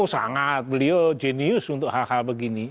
oh sangat beliau jenius untuk hal hal begini